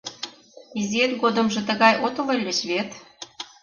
Изиэт годымжо тыгай отыл ыльыч вет?